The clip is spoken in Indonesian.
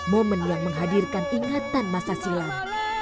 momen yang menghadirkan ingatan masa silam